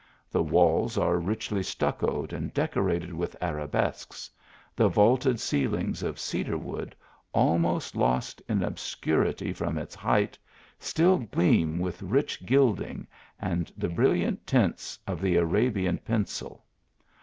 The walls are richly stuccoed and decorated with arabesques, the vaulted ceilings of cedar wood, almost lost in ob scurity from its height, still gleam with rich gilding 8 THE ALHAMBRA. and the brilliant tints of the Arabian pencil.